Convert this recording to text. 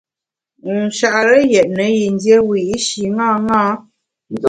Nchare yètne yin dié wiyi’shi ṅaṅâ.